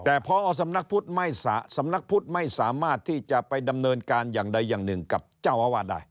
แต่พอสำนักพุทธสำนักพุทธไม่สามารถที่จะไปดำเนินการอย่างใดอย่างหนึ่งกับเจ้าอาวาสได้